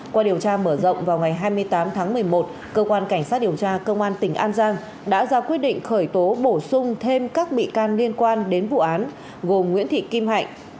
qua điều tra mở rộng vào ngày hai mươi tám tháng một mươi một cơ quan cảnh sát điều tra công an tỉnh an giang đã ra quyết định khởi tố bổ sung thêm các bị can liên quan đến vụ án gồm nguyễn thị kim hạnh